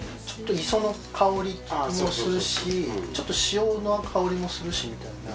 ちょっと磯の香りもするしちょっと潮の香りもするし。